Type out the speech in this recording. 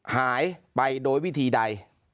หายไปโดยวิธีใด